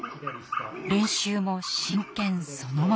練習も真剣そのもの。